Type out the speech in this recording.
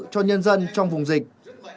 cho nhân dân trong vùng dịch